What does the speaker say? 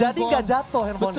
jadi gak jatuh handphonenya